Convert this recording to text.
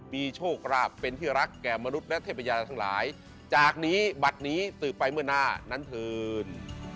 มีโชคราบเป็นที่รักแก่มนุษย์และเทพยาทั้งหลายจากนี้บัตรนี้สืบไปเมื่อหน้านั้นเถิน